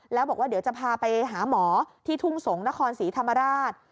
แล้วบอกว่าเดี๋ยวจะพาไปหาหมอที่ทุ่งสงศ์นครศรีธรรมราช